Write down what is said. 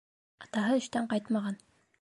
Атаһы эштән ҡайтмаған.